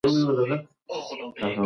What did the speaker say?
اداري شفافیت ستونزې کموي